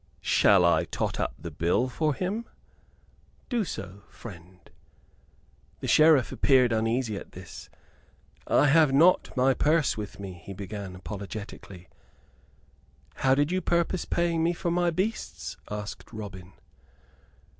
Shall I tot up the bill for him?" "Do so, friend." The Sheriff appeared uneasy at this. "I have not my purse with me," he began, apologetically. "How did you purpose paying me for my beasts?" asked Robin.